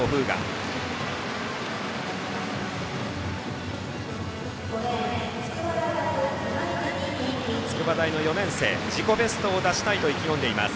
今泉堅貴、筑波大の４年生自己ベストを出したいと意気込んでいます。